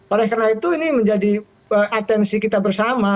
oleh karena itu ini menjadi atensi kita bersama